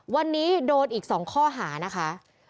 วันนี้โดนอีก๒ข้อหานะคะ